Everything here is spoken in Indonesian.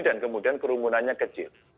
dan kemudian kerumunannya kecil